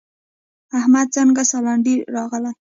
احمده څنګه سالنډی راغلې؟!